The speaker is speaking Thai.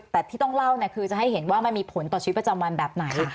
แต่ที่ต้องเล่าคือมันมีผลต่อชีวิตวัจจังวันแบบไหน